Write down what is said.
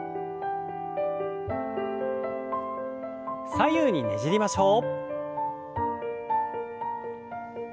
左右にねじりましょう。